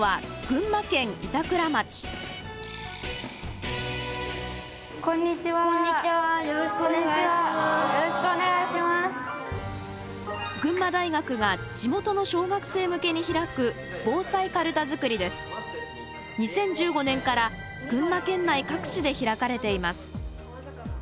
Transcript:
群馬大学が地元の小学生向けに開く２０１５年から群馬県内各地で開かれています。